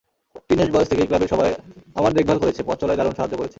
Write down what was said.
Teenage বয়স থেকেই ক্লাবের সবাই আমার দেখভাল করেছে, পথচলায় দারুণ সাহায্য করেছে।